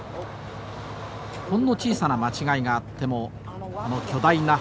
ほんの小さな間違いがあってもこの巨大な橋桁は架かりません。